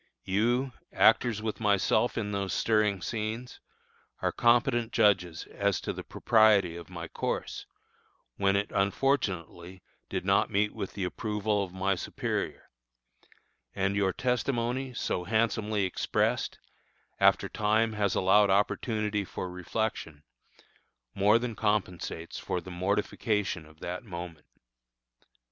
You, actors with myself in those stirring scenes, are competent judges as to the propriety of my course, when it unfortunately did not meet with the approval of my superior; and your testimony, so handsomely expressed, after time has allowed opportunity for reflection, more than compensates for the mortification of that moment.